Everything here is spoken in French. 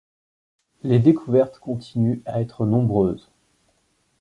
Les découvertes continuent à être nombreuses.